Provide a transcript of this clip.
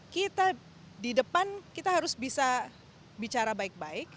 kita di depan kita harus bisa bicara baik baik